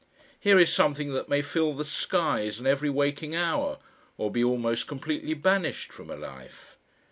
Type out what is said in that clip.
Here is something that may fill the skies and every waking hour or be almost completely banished from a life.